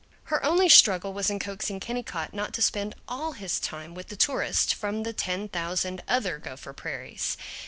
Her only struggle was in coaxing Kennicott not to spend all his time with the tourists from the ten thousand other Gopher Prairies.